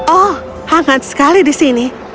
oh hangat sekali di sini